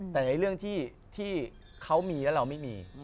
แต่ในเรื่องที่เขามีแล้วเราไม่มี